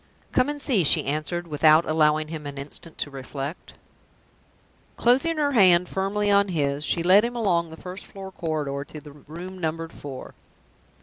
"Come and see," she answered, without allowing him an instant to reflect. Closing her hand firmly on his, she led him along the first floor corridor to the room numbered Four.